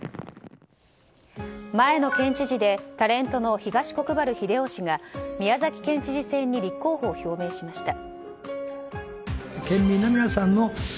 前の県知事でタレントの東国原英夫氏が宮崎県知事選に立候補を表明しました。